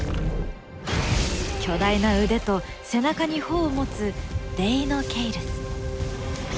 巨大な腕と背中に帆を持つデイノケイルス。